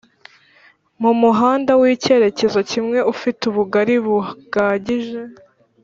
mumuhanda w' icyerekezo kimwe ufite ubugari bugagije